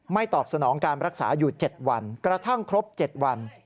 ตอบสนองการรักษาอยู่๗วันกระทั่งครบ๗วัน